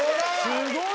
すごい！